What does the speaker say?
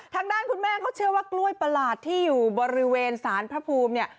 ทางด้านคุณแม่เขาเชื่อว่ากล้วยประหลาดที่อยู่บริเวณสารพระภูมิเนี่ย